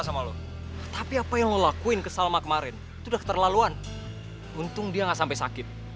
sama lo tapi apa yang lo lakuin ke salma kemarin sudah keterlaluan untung dia nggak sampai sakit